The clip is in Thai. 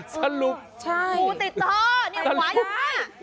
สรุปติดท่อนี่ขวายมากสรุป